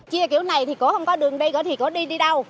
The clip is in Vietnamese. chia kiểu này thì cô không có đường đi thì cô đi đi đâu